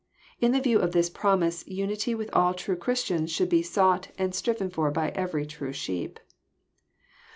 In the view of this promise unity with all true Christians should be sought and striven for by every true sheep.